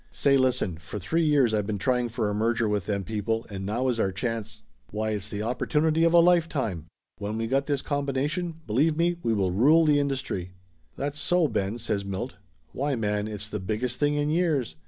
"Say listen, for three years I been trying for a merger with them people, and now is our chance. Why, it's the opportunity of a lifetime! When we got this combination, believe me, we will rule the industry!" "That's so, Ben!" says Milt. "Why man, it's the biggest thing in years.